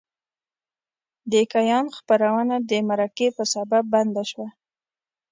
د کیان خپرونه د مرکې په سبب بنده شوه.